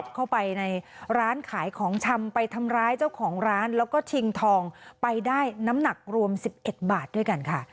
เข้าไปในร้านขายของชำไปทำร้ายเจ้าของร้านแล้วก็ชิงทองไปได้น้ำหนักรวม๑๑บาทด้วยกันค่ะ